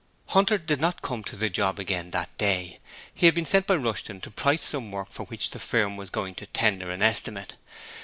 Hunter did not come to the job again that day: he had been sent by Rushton to price some work for which the firm was going to tender an estimate.